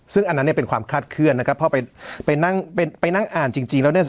ซึ่งอันนั้นเนี่ยเป็นความคลาดเคลื่อนนะครับพอไปนั่งไปนั่งอ่านจริงแล้วเนี่ย